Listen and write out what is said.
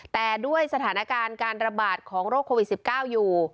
แต่ด้วยสถานการณ์การระบาดของโรคโควิด๑๙อยู่